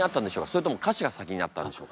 それとも歌詞が先にあったんでしょうか。